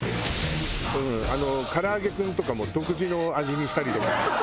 あのからあげクンとかも独自の味にしたりとか。